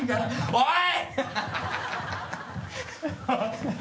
おい！